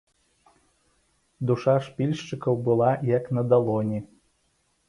Душа ж пільшчыкаў была як на далоні.